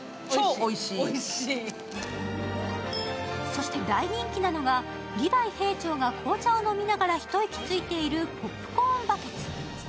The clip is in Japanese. そして大人気なのが、リヴァイ兵長が紅茶を飲みながら一息ついている、ポップコーンバケツ。